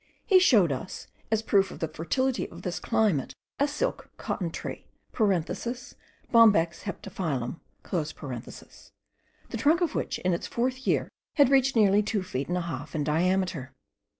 He showed us, as a proof of the fertility of this climate, a silk cotton tree (Bombax heptaphyllum), the trunk of which, in its fourth year, had reached nearly two feet and a half in diameter.